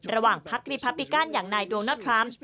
ระหว่างพักริพับติกันอย่างไนดูแลล์เนิลท์ทรัมป์